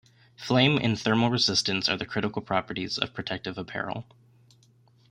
Flame and thermal resistance are the critical properties of protective apparel.